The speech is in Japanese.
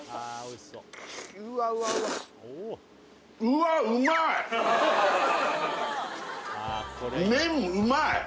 うわっ麺うまい！